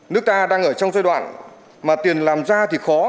nước ta đang ở trong giai đoạn mà tiền làm ra thì khó